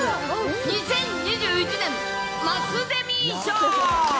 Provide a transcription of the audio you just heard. ２０２１年マスデミー賞。